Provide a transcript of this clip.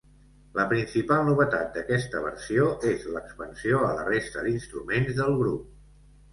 La principal novetat d'aquesta versió és l'expansió a la resta d'instruments del grup.